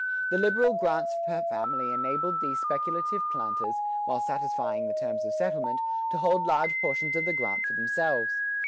The liberal grants per family enabled these speculative planters, while satisfying the terms of settlement, to hold large portions of the grant for themselves.